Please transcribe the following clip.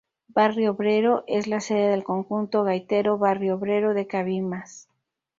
Barrio Obrero es la sede del conjunto Gaitero Barrio Obrero de Cabimas.